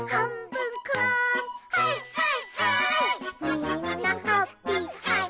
「みんなハッピーハイ！